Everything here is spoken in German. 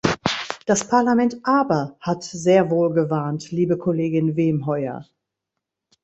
Das Parlament aber hat sehr wohl gewarnt, liebe Kollegin Wemheuer!